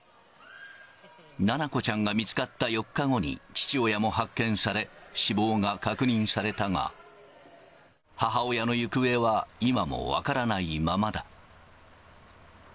七菜子ちゃんが見つかった４日後に父親も発見され、死亡が確認されたが、母親の行方は今も分からないままだ。